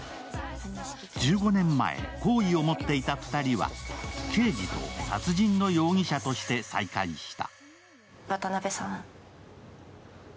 １５年前、好意を持っていた２人は刑事と殺人の容疑者として再会した。